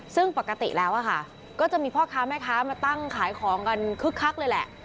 ซึ่งปกติแล้วก็จะมีพ่อค้าแม่ค้ามาตั้งขายของกันคึกคักเลยแหละ